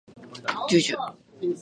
じゅじゅ